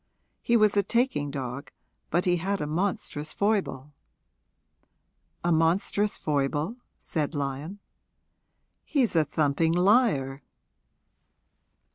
He was a taking dog, but he had a monstrous foible. 'A monstrous foible?' said Lyon. 'He's a thumping liar.'